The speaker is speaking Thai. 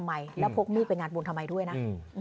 แล้วพกมีดไปงานบุญทำไมด้วยนะ